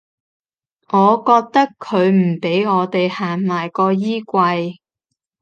我覺得佢唔畀我地行埋個衣櫃